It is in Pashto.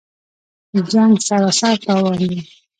جـنګ سراسر تاوان دی